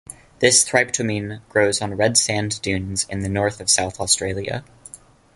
This thryptomene grows on red sand dunes in the north of South Australia.